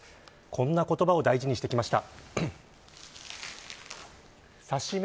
こんな言葉を大事にしてきました。